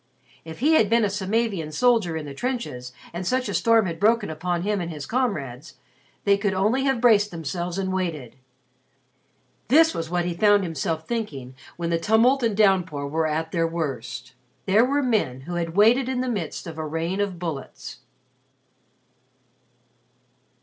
If he had been a Samavian soldier in the trenches and such a storm had broken upon him and his comrades, they could only have braced themselves and waited. This was what he found himself thinking when the tumult and downpour were at their worst. There were men who had waited in the midst of a rain of bullets.